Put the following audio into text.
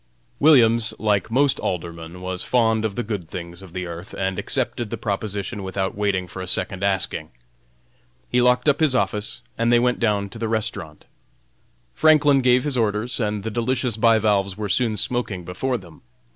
Williams, like most Aldermen, was fond of the good things of this earth, and accepted the proposition without waiting for a second asking. He locked up his office, and they went down to the restaurant. Franklin gave his orders, and the delicious bivalves were soon smoking before them.